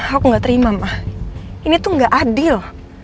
aku gak terima ma ini tuh gak adil